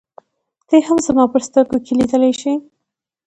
ته يې هم زما په سترګو کې لیدلای شې.